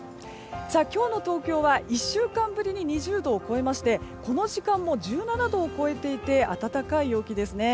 今日の東京は１週間ぶりに２０度を超えましてこの時間も１７度を超えていて暖かい陽気ですね。